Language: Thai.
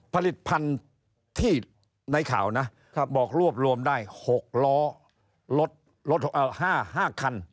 ผลิตภัณฑ์ที่ในข่าวนะบอกรวบรวมได้๖ล้อรถ๕คัน